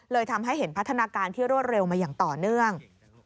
ทำให้เห็นพัฒนาการที่รวดเร็วมาอย่างต่อเนื่อง